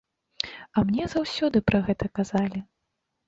А мне заўсёды пра гэта казалі!